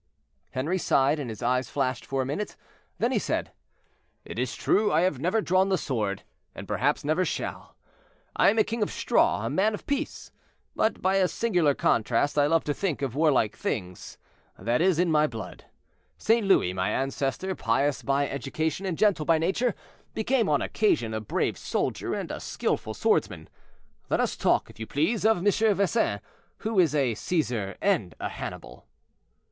Henri sighed, and his eyes flashed for a minute; then he said: "It is true I have never drawn the sword, and perhaps never shall. I am a king of straw, a man of peace; but, by a singular contrast, I love to think of warlike things—that is in my blood. St. Louis, my ancestor, pious by education and gentle by nature, became on occasion a brave soldier and a skillful swordsman. Let us talk, if you please, of M. Vesin, who is a Cæsar and a Hannibal."